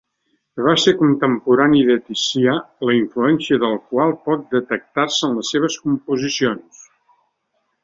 Va ser contemporani de Ticià, la influència del qual pot detectar-se en les seves composicions.